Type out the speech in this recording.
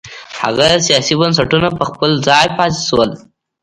هغه سیاسي بنسټونه په خپل ځای پاتې شول.